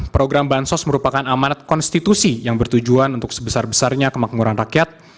program bansos merupakan amanat konstitusi yang bertujuan untuk sebesar besarnya kemakmuran rakyat